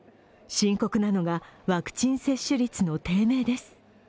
深刻なのがワクチン接種率の低迷です。